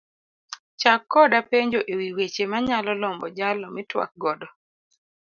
Chak koda penjo ewi weche manyalo lombo jalo mitwak godo